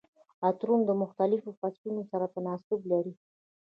عطرونه د مختلفو فصلونو سره تناسب لري.